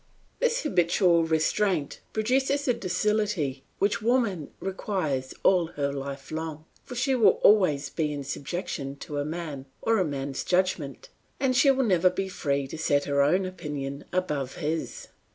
This habitual restraint produces a docility which woman requires all her life long, for she will always be in subjection to a man, or to man's judgment, and she will never be free to set her own opinion above his.